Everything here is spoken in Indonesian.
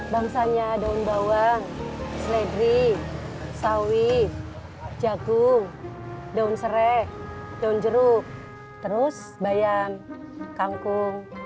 bangsanya daun bawang seledri sawit jagung daun serai daun jeruk terus bayam kangkung